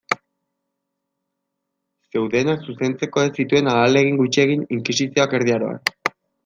Zeudenak zuzentzeko ez zituen ahalegin gutxi egin inkisizioak Erdi Aroan.